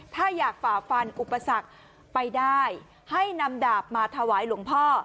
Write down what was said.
ถ้าอยากฝ่าฟันอุปสรรคไปได้ให้นำดาบมาถวายหลวงพ่อ